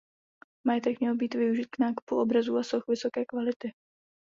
Majetek měl být využit k nákupu obrazů a soch vysoké kvality.